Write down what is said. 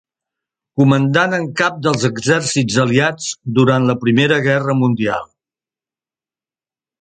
Comandant en cap dels exèrcits Aliats durant la Primera Guerra Mundial.